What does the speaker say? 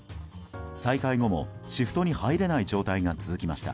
再開後もシフトに入れない状態が続きました。